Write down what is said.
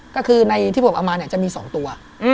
ก็คือในที่ผมเอามาจะมีสองตัว